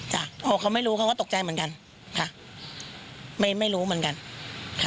พอเขาไม่รู้เขาก็ตกใจเหมือนกันค่ะไม่รู้เหมือนกันค่ะ